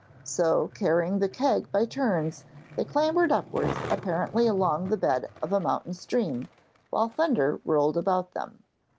So, carrying the keg by turns they clambered upwards apparently along the bed of a mountain stream, while thunder rolled about them.